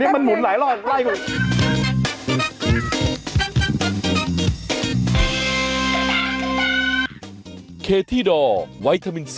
นี่มันหมุนหลายรอดไล่กูอีก